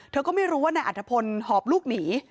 เธอก็ไม่รู้ว่านายอัฐพลหอบลูกหนี